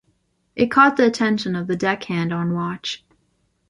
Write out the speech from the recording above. It caught the attention of the deckhand on watch.